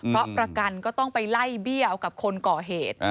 เพราะประกันก็ต้องไปไล่เบี้ยเอากับคนก่อเหตุ